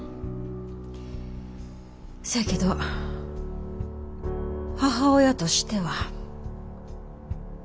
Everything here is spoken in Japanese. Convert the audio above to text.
そやけど母親としては。